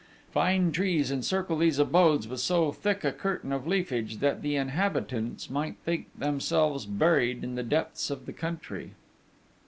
Fine trees encircle these abodes with so thick a curtain of leafage that the inhabitants might think themselves buried in the depths of the country.